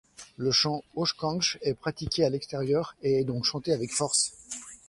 Le chant Ojkanje est pratiqué à l’extérieur et est donc chanté avec force.